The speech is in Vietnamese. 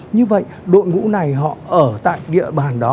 như vậy đội ngũ này họ ở tại địa bàn đó